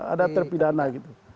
ada terpidana gitu